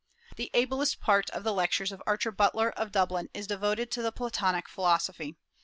The ablest part of the lectures of Archer Butler, of Dublin, is devoted to the Platonic philosophy.